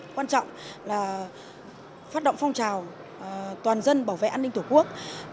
quan trọng là phát động phong trào toàn dân bảo vệ an ninh tổ quốc